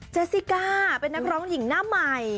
สซิก้าเป็นนักร้องหญิงหน้าใหม่